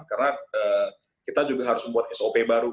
karena kita juga harus membuat sop baru